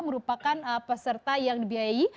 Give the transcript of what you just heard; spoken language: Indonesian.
merupakan peserta yang dibiayai